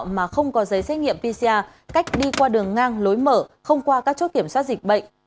mà không có giấy xét nghiệm pcr cách đi qua đường ngang lối mở không qua các chốt kiểm soát dịch bệnh